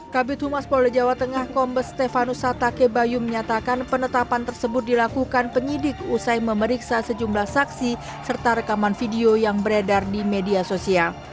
kabit humas polda jawa tengah kombes stefanus satake bayu menyatakan penetapan tersebut dilakukan penyidik usai memeriksa sejumlah saksi serta rekaman video yang beredar di media sosial